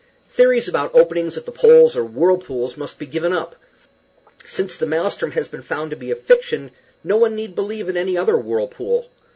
Theories about openings at the poles, or whirlpools, must be given up. Since the Maelstrom has been found to be a fiction, no one need believe in any other whirlpool.